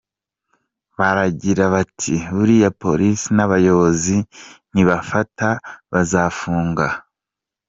Baragira bati “buriya polisi n’abayobozi nibabafata bazabafunga”.